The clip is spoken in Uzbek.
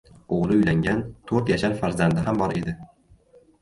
Oʻgʻli uylangan, toʻrt yashar farzandi ham bor edi.